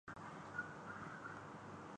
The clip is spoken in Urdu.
جس ادا سے کوئی آیا تھا کبھی اول شب